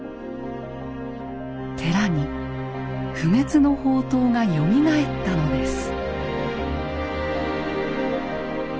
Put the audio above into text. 寺に不滅の法灯がよみがえったのです。